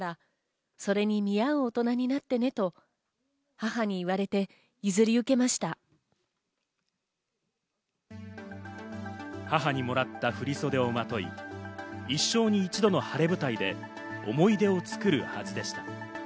母にもらった振り袖をまとい、一生に一度の晴れ舞台で思い出を作るはずでした。